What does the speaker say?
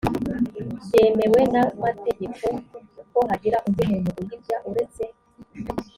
byemewe n’amategeko, ko hagira undi muntu uyirya uretse